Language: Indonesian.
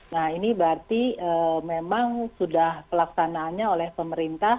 nah ini berarti memang sudah pelaksanaannya oleh pemerintah